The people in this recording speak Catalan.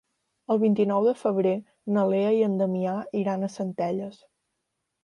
El vint-i-nou de febrer na Lea i en Damià iran a Centelles.